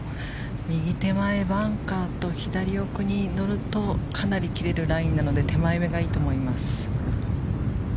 右手前バンカーと左奥に乗るとかなり切れるラインなので手前めがいいと思います。